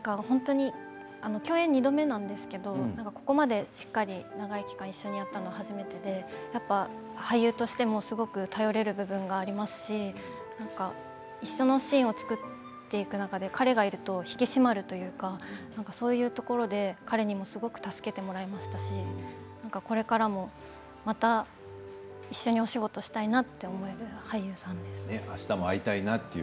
共演２度目なんですけれどここまで、しっかり長い期間一緒にやったのは初めてでやっぱり俳優としてもすごく頼れる部分がありますし一緒のシーンを作っていく中で彼がいると引き締まるというかなんかそういうところで彼にもすごく助けてもらいましたしこれからも、また一緒にお仕事したいなと思えるような明日も会いたいなと。